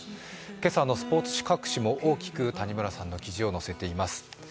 今朝のスポーツ紙各紙も、大きく谷村さんの記事を載せています。